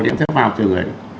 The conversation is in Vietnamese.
thì em sẽ vào trường ấy